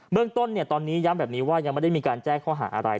เรื่องต้นตอนนี้ย้ำแบบนี้ว่ายังไม่ได้มีการแจ้งข้อหาอะไร